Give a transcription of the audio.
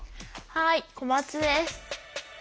はい小松です。